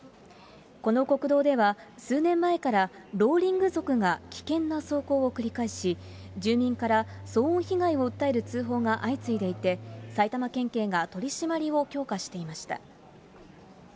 この国道では、数年前からローリング族が危険な走行を繰り返し、住民から騒音被害を訴える通報が相次いでいて、埼玉県警が取締りを強化していました。